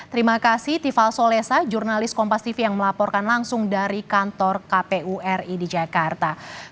terima kasih tifal solesa jurnalis kompas tv yang melaporkan langsung dari kantor kpu ri di jakarta